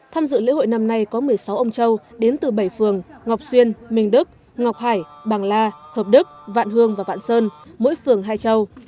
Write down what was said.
tham dự lễ hội năm nay có một mươi sáu ông châu đến từ bảy phường ngọc xuyên minh đức ngọc hải bàng la hợp đức vạn hương và vạn sơn mỗi phường hai châu